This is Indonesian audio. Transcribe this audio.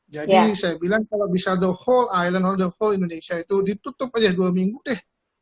jadi saya bilang kalau bisa the whole island all the whole indonesia itu ditutup aja dua minggu deh